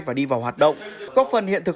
và đi vào hoạt động góp phần hiện thực